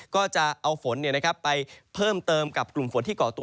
ก็จะเอาฝนไปเพิ่มเติมกับกลุ่มฝนที่เกาะตัว